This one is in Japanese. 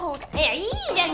いいじゃん！